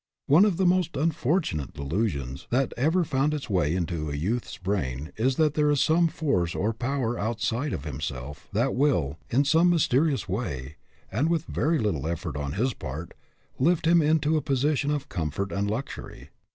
One of the most unfortunate delusions that ever found its way into a youth's brain is that there is some force or power outside of him self that will, in some mysterious way, and with very little effort on his part, lift him into a position of comfort and luxury.